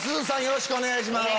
よろしくお願いします。